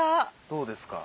どうですか？